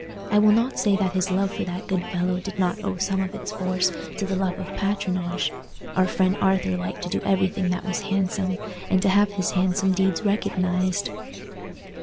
I will not say that his love for that good fellow did not owe some of its force to the love of patronage: our friend Arthur liked to do everything that was handsome, and to have his handsome deeds recognized.